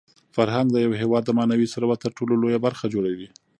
فرهنګ د یو هېواد د معنوي ثروت تر ټولو لویه برخه جوړوي.